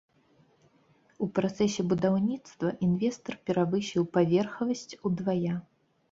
У працэсе будаўніцтва інвестар перавысіў паверхавасць удвая.